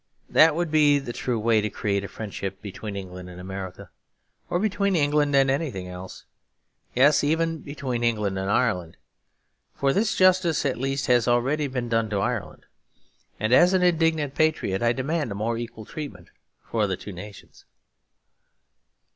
That would be the true way to create a friendship between England and America, or between England and anything else; yes, even between England and Ireland. For this justice at least has already been done to Ireland; and as an indignant patriot I demand a more equal treatment for the two nations.